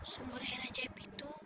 sumber air ajaib itu